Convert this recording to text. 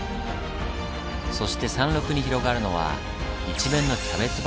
そして山麓に広がるのは一面のキャベツ畑。